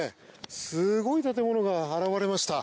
すごい建物が現れました。